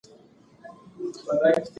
سپک خوراک انتخاب کول باید د فکر تمرین ولري.